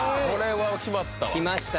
これは決まったわ。